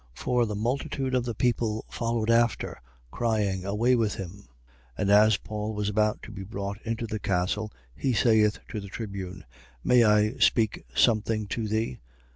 21:36. For the multitude of the people followed after, crying: Away with him! 21:37. And as Paul was about to be brought into the castle, he saith to the tribune: May I speak something to thee?